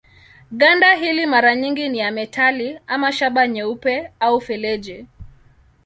Ganda hili mara nyingi ni ya metali ama shaba nyeupe au feleji.